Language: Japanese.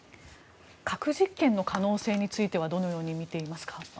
核実験の可能性についてはどのように見ていますか？